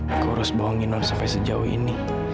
aku harus bohongin sampai sejauh ini